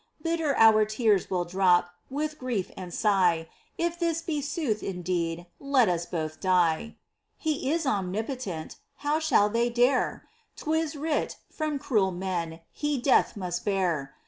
Bitter our tears will drop With grief and sigh !— If this be sooth indeed, Let us both die ! He is omnipotent — How shall they dare ? POEMS. 45 'Tis writ, from cruel men He death must bear.